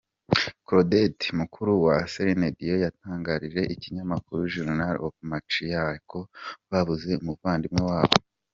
Claudette mukuru wa Celine Dion yatangarije ikinyamakuru Journal Of Montreal ko babuze umuvandimwe wabo.